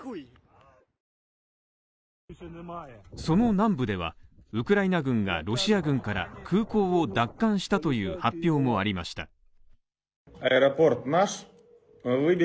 その南部ではウクライナ軍がロシア軍から空港を奪還したという発表もありました。